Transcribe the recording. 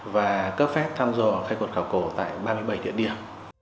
và cấp phép tham dồ khai quật khảo cổ tại ba mươi bảy địa điểm